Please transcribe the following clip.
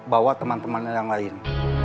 bawa teman teman yang lain